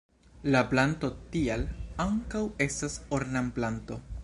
La planto tial ankaŭ estas ornamplanto.